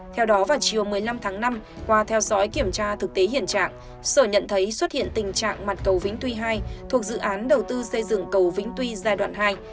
theo đó vào chiều một mươi năm tháng năm qua theo dõi kiểm tra thực tế hiện trạng sở nhận thấy xuất hiện tình trạng mặt cầu vĩnh tuy hai thuộc dự án đầu tư xây dựng cầu vĩnh tuy giai đoạn hai